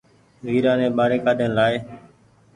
ويرآ ني ٻآري ڪآڏين لآئي